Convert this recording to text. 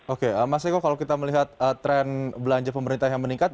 oke mas eko kalau kita melihat tren belanja pemerintah yang meningkat